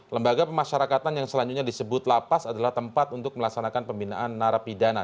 lembaga pemasyarakatan yang selanjutnya disebut lapas adalah tempat untuk melaksanakan pembinaan narapidana